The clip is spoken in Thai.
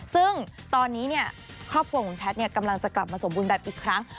ซึ่งตอนนี้ครอบครัวของแพทย์กำลังจะกลับมาสมบูรณ์แบบอีกครั้ง